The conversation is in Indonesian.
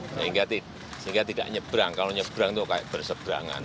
sehingga tidak nyebrang kalau nyebrang itu kayak berseberangan